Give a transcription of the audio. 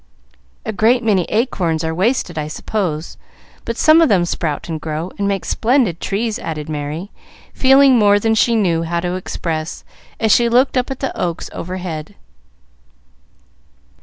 "A great many acorns are wasted, I suppose; but some of them sprout and grow, and make splendid trees," added Merry, feeling more than she knew how to express, as she looked up at the oaks overhead.